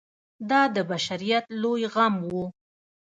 دا د بشریت لوی غم و.